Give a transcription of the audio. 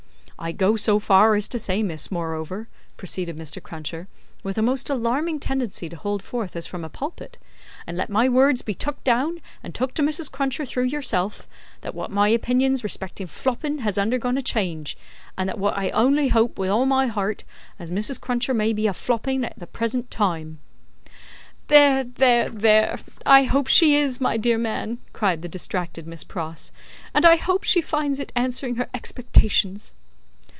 "I go so far as to say, miss, moreover," proceeded Mr. Cruncher, with a most alarming tendency to hold forth as from a pulpit "and let my words be took down and took to Mrs. Cruncher through yourself that wot my opinions respectin' flopping has undergone a change, and that wot I only hope with all my heart as Mrs. Cruncher may be a flopping at the present time." "There, there, there! I hope she is, my dear man," cried the distracted Miss Pross, "and I hope she finds it answering her expectations."